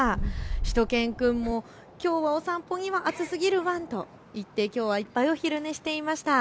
しゅと犬くんもきょうはお散歩には暑すぎるワンと言って、きょうはいっぱいお昼寝していました。